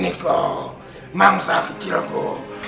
ini kau mangsa kecilku